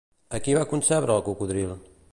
A qui va concebre el cocodril?